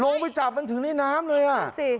ลงไปจับมันถึงในน้ำเลยอ่ะ